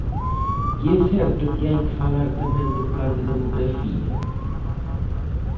¿Que é certo que hai que falar tamén do Plan de demografía?